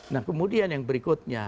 nah kemudian yang berikutnya